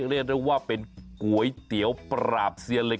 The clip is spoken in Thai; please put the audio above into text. เรียกได้ว่าเป็นก๋วยเตี๋ยวปราบเซียนเลย